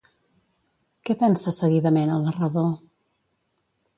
Què pensa seguidament el narrador?